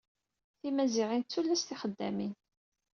Timaziɣin d tullas tixeddamin.